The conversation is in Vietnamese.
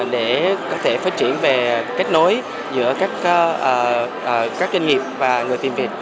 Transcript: để có thể phát triển về kết nối giữa các doanh nghiệp và người tiên việt